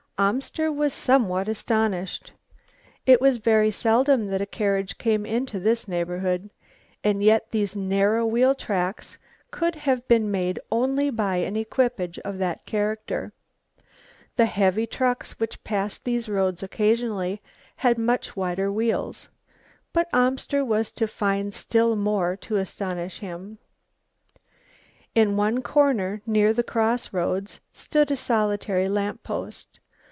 Amster was somewhat astonished. It was very seldom that a carriage came into this neighbourhood, and yet these narrow wheel tracks could have been made only by an equipage of that character. The heavy trucks which passed these roads occasionally had much wider wheels. But Amster was to find still more to astonish him. In one corner near the cross roads stood a solitary lamp post.